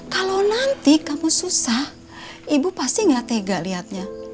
kalau nanti kamu susah ibu pasti tidak tega melihatnya